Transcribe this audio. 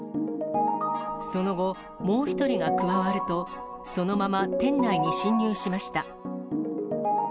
その後、もう１人が加わると、そのまま店内に侵入しました。